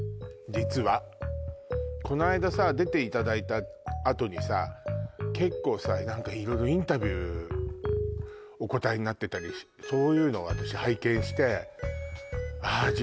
実はこないださ出ていただいたあとにさ結構さ何か色々インタビューお答えになってたりそういうの私拝見してああ